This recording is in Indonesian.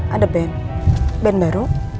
ada band band baru